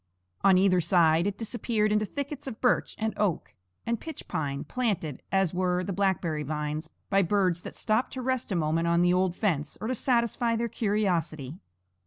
On either side it disappeared into thickets of birch and oak and pitch pine, planted, as were the blackberry vines, by birds that stopped to rest a moment on the old fence or to satisfy their curiosity.